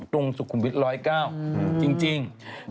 ตรงสุขุมวิทย์๑๐๙จริง